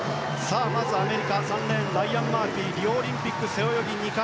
まずアメリカ３レーンライアン・マーフィーリオオリンピック背泳ぎ２冠。